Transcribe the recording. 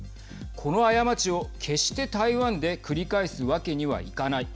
この過ちを決して台湾で繰り返すわけにはいかない。